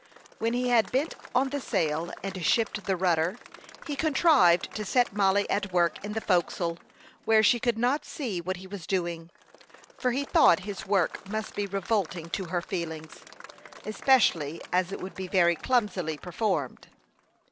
When he had bent on the sail, and shipped the rudder, he contrived to set Mollie at work in the forecastle, where she could not see what he was doing; for he thought his work must be revolting to her feelings, especially as it would be very clumsily performed.